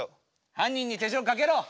犯人に手錠かけろ！